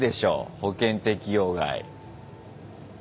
保険適用外。